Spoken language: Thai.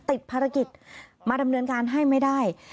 ติดภารกิจมาดำเนินการให้ไม่ได้